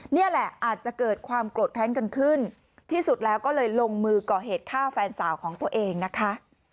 นี่แหละอาจจะเกิดความโกรธแค้นกันขึ้นที่สุดแล้วก็เลยลงมือก่อเหตุฆ่าแฟนสาวของตัวเองนะคะ